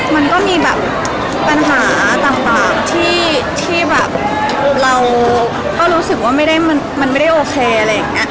มันก็มีปัญหาต่างที่เรารู้สึกว่ามันไม่ได้โอเค